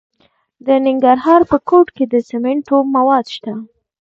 د ننګرهار په کوټ کې د سمنټو مواد شته.